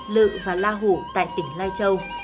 lự và la hủ tại tỉnh lai châu